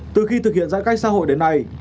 từ khi thực hiện giãn cách xã hội đến nay